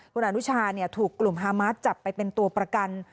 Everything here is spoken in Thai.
คุณอนุชาถูกกลุ่มฮามาสจับไปเป็นตัวประกัน